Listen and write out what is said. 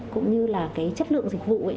cũng như là cái chất lượng dịch vụ